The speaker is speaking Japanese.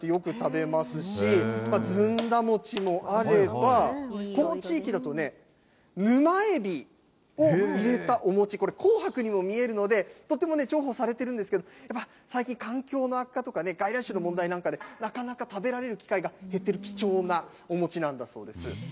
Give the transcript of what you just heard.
例えばね、東北地方だと納豆餅なんてよく食べますし、ずんだ餅もあれば、この地域だと沼えびを入れたお餅、これ、紅白にも見えるので、とても重宝されてるんですけど、やっぱ最近、環境の悪化とかね、外来種の問題なんかで、なかなか食べられる機会が減ってる貴重なお餅なんだそうです。